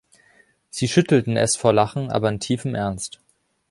Sie schüttelten es vor Lachen, aber in tiefem Ernst.